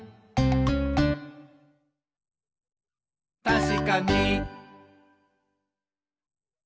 「たしかに！」